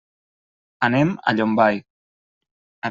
Anem a Llombai.